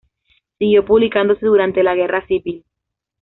Siguió publicándose durante la Guerra civil.